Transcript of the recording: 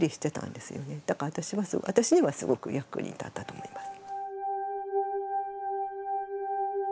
だから私にはすごく役に立ったと思います。